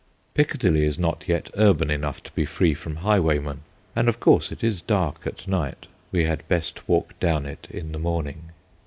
Piccadilly is not yet urban enough to be free from highwaymen, and of course it is dark at night ; we had best walk down it in the morning.